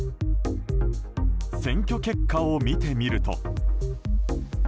選挙結果を見てみると。